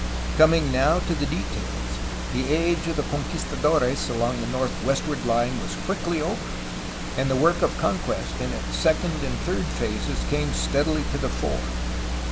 Coming now to the details, the age of the conquistadores along the northwestward line was quickly over, and the work of conquest in its second and third phases came steadily to the fore.